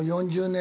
４０年